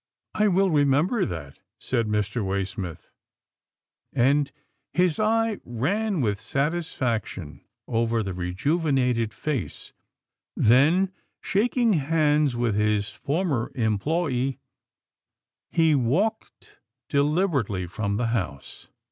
" I will remember that," said Mr. Waysmith, and his eye ran with satisfaction over the rejuvenated A TEDIOUS WAITING 189 face, then shaking hands with his former employee, he walked deliberately from the house.